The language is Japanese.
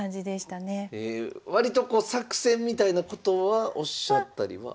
割とこう作戦みたいなことはおっしゃったりは？